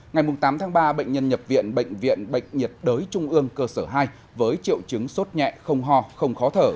ngày tám tháng ba bệnh nhân nhập viện bệnh viện bệnh nhiệt đới trung ương cơ sở hai với triệu chứng sốt nhẹ không ho không khó thở